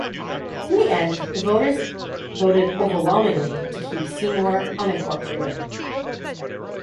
In the end, the voters voted overwhelmingly to keep Seymour unincorporated.